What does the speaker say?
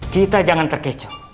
kita jangan terkecoh